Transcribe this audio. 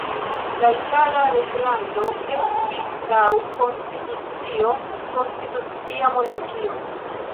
La Itala reĝlando estis laŭ konstitucio konstitucia monarkio.